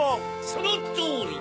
そのとおり！